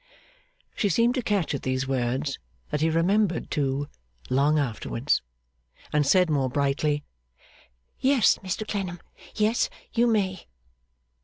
She seemed to catch at these words that he remembered, too, long afterwards and said, more brightly, 'Yes, Mr Clennam; yes, you may!